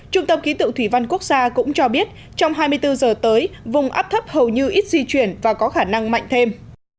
trung tâm ký tượng thủy văn quốc gia cũng cho biết trong hai mươi bốn giờ tới vùng áp thấp hầu như ít di chuyển và có khả năng mạnh thêm